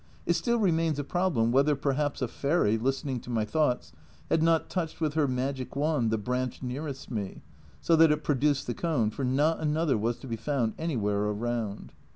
It still remains a problem whether perhaps a fairy, listening to my thoughts, had not touched with her magic wand the branch nearest me, so that it produced the cone, for not another was to be found anywhere around.